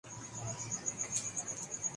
تو نپے تلے انداز سے۔